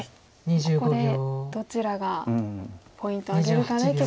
ここでどちらがポイントを挙げるかで結構勝負が。